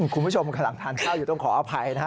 คุณผู้ชมกำลังทานข้าวอยู่ต้องขออภัยนะฮะ